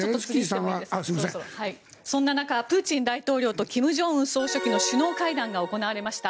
そんな中プーチン大統領と金正恩総書記の首脳会談が行われました。